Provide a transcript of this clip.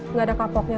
gak ada kapoknya